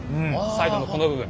サイドのこの部分。